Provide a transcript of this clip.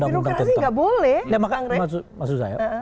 birokrasi nggak boleh maksud saya